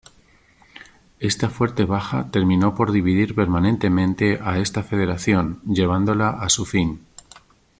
Esta fuerte baja terminó por dividir permanentemente a esta Federación, llevándola a su fin.